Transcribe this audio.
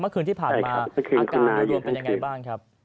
เมื่อคืนที่ผ่านมาอาการโดยรวมเป็นยังไงบ้างครับ